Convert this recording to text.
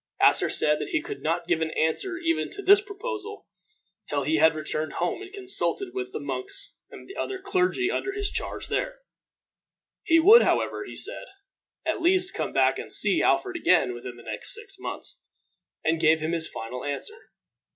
Asser said that he could not give an answer even to this proposal till he had returned home and consulted with the monks and other clergy under his charge there. He would, however, he said, at least come back and see Alfred again within the next six months, and give him his final answer.